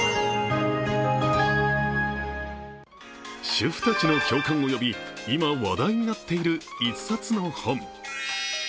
主婦たちの共感を呼び、今、話題になっている一冊の本。